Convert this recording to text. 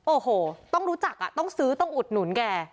โอ้โหต้องรู้จักต้องซื้อต้องอุดหนุนแก